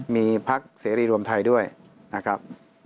มีพักเสรีรวมไทยด้วยนะครับ